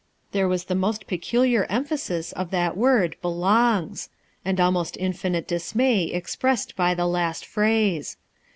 There was the most peculiar emphasis of that word "belongs"; and almost infinite dis may expressed by the last phrase.